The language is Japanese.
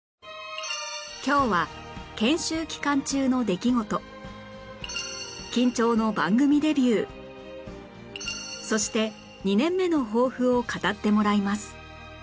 今日は研修期間中の出来事緊張の番組デビューそして２年目の抱負を語ってもらいます